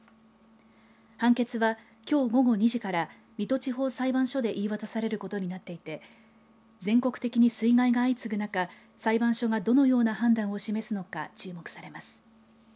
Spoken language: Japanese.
判決は、きょう午後２時から水戸地方裁判所で言い渡されることになっていて全国的に水害が相次ぐ中裁判所が、どのような判断を示すのか注目されます。